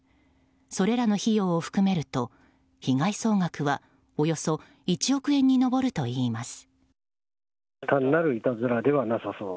それらの費用を含めると被害総額はおよそ１億円に上るといいます。